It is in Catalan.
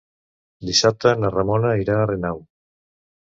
Dissabte na Ramona irà a Renau.